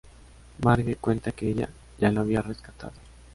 Marge cuenta que ella ya lo había rescatado.